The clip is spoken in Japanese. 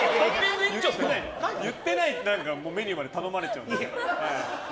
言ってないメニューまで頼まれちゃう。